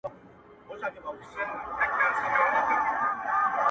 ستا شربتي سونډو ته; بې حال پروت و;